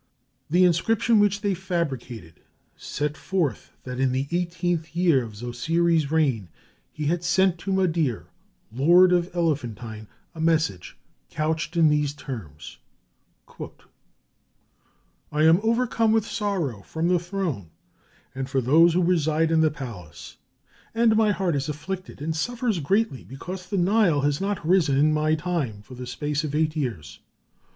The inscription which they fabricated set forth that in the eighteenth year of Zosiri's reign he had sent to Madir, lord of Elephantine, a message couched in these terms: "I am overcome with sorrow for the throne, and for those who reside in the palace, and my heart is afflicted and suffers greatly because the Nile has not risen in my time, for the space of eight years.